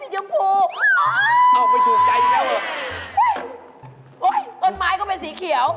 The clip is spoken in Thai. เฮ่ยต้นไม้เหลือเป็นสีเขียว